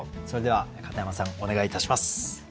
それでは片山さんお願いいたします。